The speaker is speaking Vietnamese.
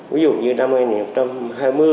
ví dụ như năm hai nghìn hai mươi